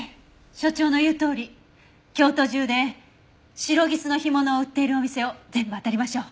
所長の言うとおり京都中でシロギスの干物を売っているお店を全部あたりましょう。